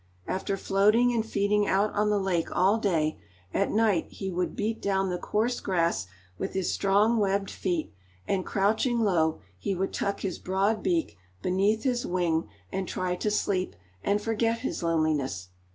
After floating and feeding out on the lake all day, at night he would beat down the coarse grass with his strong webbed feet, and crouching low he would tuck his broad beak beneath his wing and try to sleep and forget his loneliness.